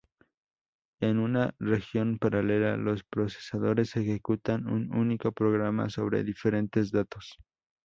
En una región paralela, los procesadores ejecutan un único programa sobre diferentes datos.